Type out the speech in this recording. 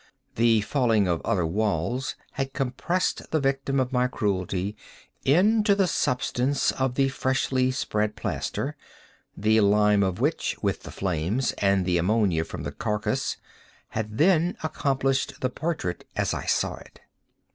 The falling of other walls had compressed the victim of my cruelty into the substance of the freshly spread plaster; the lime of which, with the flames, and the ammonia from the carcass, had then accomplished the portraiture as I saw it.